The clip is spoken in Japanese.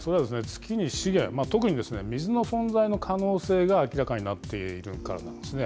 月に資源、特に水の存在の可能性が明らかになっているからなんですね。